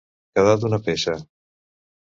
Quedar d'una peça.